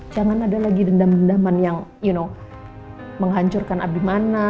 jangan ada lagi dendam dendaman yang you know menghancurkan abimana